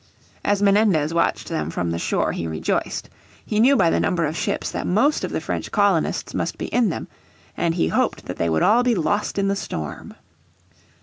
As Menendez watched them from the shore he rejoiced. He knew by the number of the ships that most of the French colonists must be in them, and he hoped that they would all be lost in the storm.